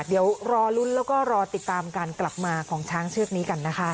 เดี๋ยวรอลุ้นแล้วก็รอติดตามการกลับมาของช้างเชือกนี้กันนะคะ